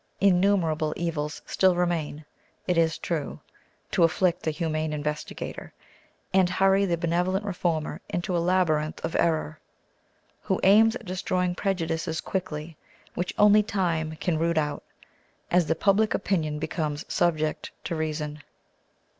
Innumerable evils still remain, it is true, to afflict the humane investigator, and hurry the benevolent reformer into a labyrinth of error, who aims at destroying prejudices quickly which only time can root out, as the public opinion becomes subject to reason.